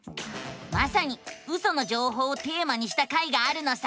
まさにウソの情報をテーマにした回があるのさ！